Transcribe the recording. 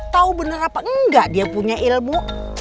tahu benar apa enggak dia punya ilmu